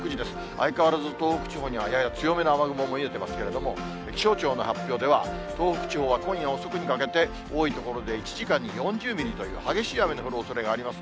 相変わらず東北地方にはやや強めの雨雲も見えてますけれども、気象庁の発表では、東北地方は今夜遅くにかけて、多い所で１時間に４０ミリという激しい雨の降るおそれがあります。